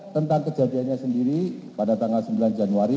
tentang kejadiannya sendiri pada tanggal sembilan januari